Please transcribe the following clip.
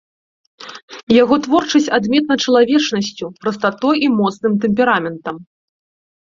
Яго творчасць адметна чалавечнасцю, прастатой і моцным тэмпераментам.